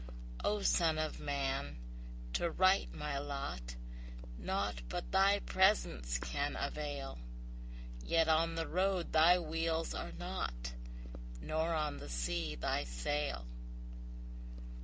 O Son of Man, to right my lot Naught but Thy presence can avail; Yet on the road Thy wheels are not, Nor on the sea Thy sail!